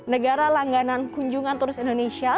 negara langganan kunjungan turis indonesia